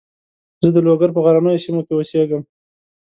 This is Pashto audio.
زه د لوګر په غرنیو سیمو کې اوسېږم.